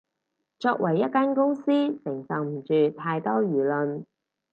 作為一間公司，承受唔住太多輿論